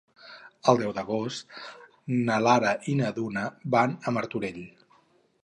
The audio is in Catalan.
El deu d'agost na Lara i na Duna van a Martorell.